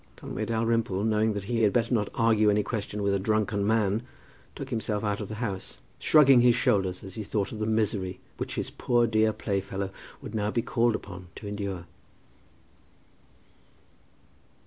Conway Dalrymple, knowing that he had better not argue any question with a drunken man, took himself out of the house, shrugging his shoulders as he thought of the misery which his poor dear playfellow would now be called upon to endure.